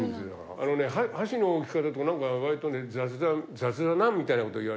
あのね箸の置き方とかなんか割とね雑だなみたいな事言われたり。